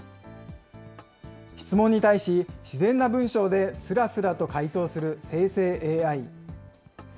質問に対し、自然な文章ですらすらと回答する生成ＡＩ。